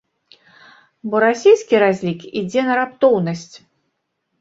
Бо расійскі разлік ідзе на раптоўнасць.